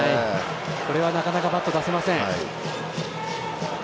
これは、なかなかバット出せません。